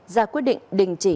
ra quyết định đình tựa